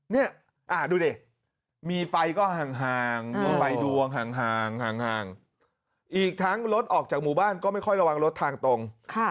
เนี่ยดูดิมีไฟก็ห่างไปดวงห่างอีกทั้งรถออกจากหมู่บ้านก็ไม่ค่อยระวังรถทางตรง